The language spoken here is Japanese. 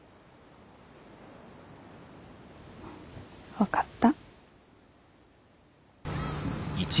分かった。